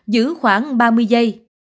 giữ khoảng ba mươi giây